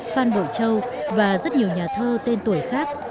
phan bội châu và rất nhiều nhà thơ tên tuổi khác